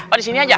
oh di sini aja